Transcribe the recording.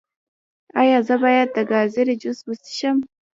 ایا زه باید د ګازرې جوس وڅښم؟